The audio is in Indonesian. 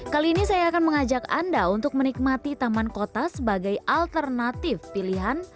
kali ini saya akan mengajak anda untuk menikmati taman kota sebagai alternatif pilihan